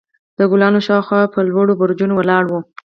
د کلاګانو شاوخوا به لوړ برجونه ولاړ وو.